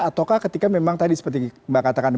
ataukah ketika memang tadi seperti mbak katakan